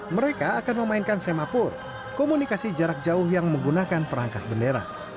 mereka akan memainkan semapur komunikasi jarak jauh yang menggunakan perangkat bendera